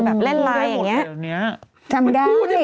แบบเล่นไลน์อย่างนี้จำได้จำได้มันกู้ได้